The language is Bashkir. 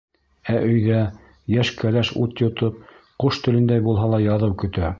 Ә өйҙә йәш кәләш ут йотоп, ҡош телендәй булһа ла яҙыу көтә...